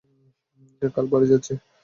কাল বাড়ি যাচ্ছি।